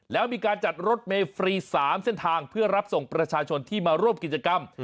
แล้วมีการจัดรถเมย์ฟรี๓เส้นทางเพื่อรับส่งประชาชนที่มาร่วมกิจกรรม